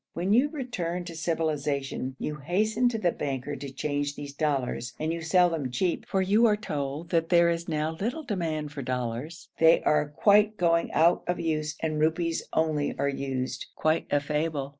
When you return to civilisation you hasten to the banker to change these dollars, and you sell them cheap, for you are told that there is now little demand for dollars, they are quite going out of use and rupees only are used quite a fable.